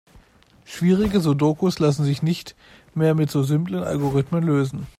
Schwierige Sudokus lassen sich nicht mehr mit so simplen Algorithmen lösen.